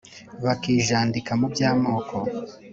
bakijandika muby’amoko